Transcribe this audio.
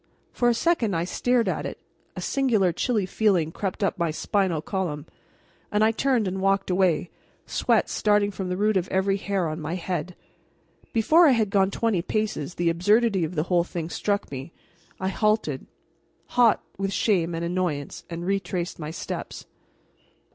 For a second I stared at it; a singular chilly feeling crept up my spinal column, and I turned and walked away, sweat starting from the root of every hair on my head. Before I had gone twenty paces the absurdity of the whole thing struck me. I halted, hot with shame and annoyance, and retraced my steps.